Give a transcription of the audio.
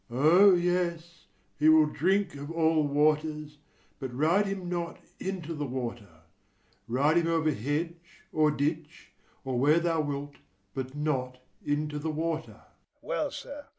FAUSTUS. O, yes, he will drink of all waters; but ride him not into the water: ride him over hedge or ditch, or where thou wilt, but not into the water. HORSE COURSER. Well, sir.